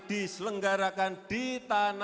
dan wali kota